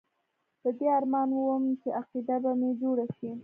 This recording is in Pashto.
په دې ارمان وم چې عقیده به مې جوړه شي.